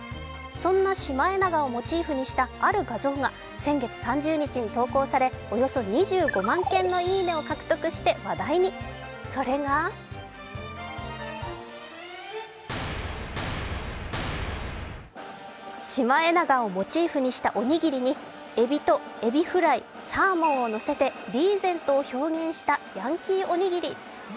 そんなシマエナガをモチーフにしたある画像が先月３０日に公開され、およそ２５万件の「いいね」を獲得した話題に、それがシマエナガをモチーフにしたおにぎりにえびとえびフライサーモンをのせてリーゼントを表現したヤンキーおにぎり。